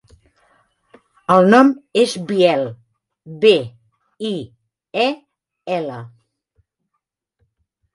El nom és Biel: be, i, e, ela.